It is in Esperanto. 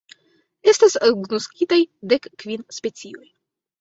Estas agnoskitaj dekkvin specioj.